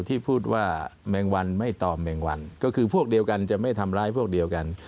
ที่พูดว่าแมงวันไม่ตอมแมงวันก็คือพวกเดียวกันจะไม่ทำร้ายพวกเดียวกัน